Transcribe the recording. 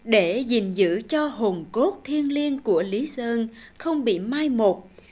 để dình dự cho hồn cốt thiên liêng của lý sơn không bị mai một